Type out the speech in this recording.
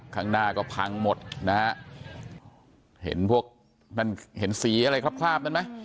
ข้างหน้าก็พังหมดนะฮะเห็นพวกนั่นเห็นสีอะไรคราบนั้นไหม